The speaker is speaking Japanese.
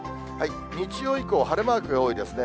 日曜以降、晴れマークが多いですね。